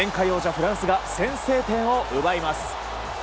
フランスが先制点を奪います。